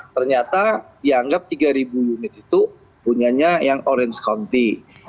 ternyata dianggap tiga unit itu punyanya yang orange county